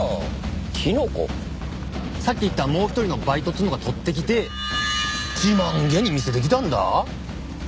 さっき言ったもう一人のバイトっつうのが採ってきて自慢げに見せてきたんだ。